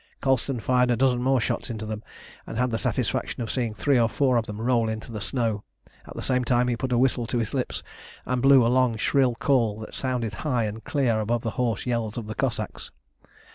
Colston fired a dozen more shots into them, and had the satisfaction of seeing three or four of them roll into the snow. At the same time he put a whistle to his lips, and blew a long shrill call that sounded high and clear above the hoarse yells of the Cossacks.